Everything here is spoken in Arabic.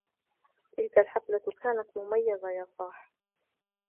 تلك الحفلة كانت مميزة ، يا صاحِ!